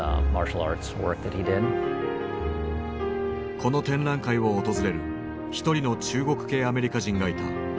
この展覧会を訪れる一人の中国系アメリカ人がいた。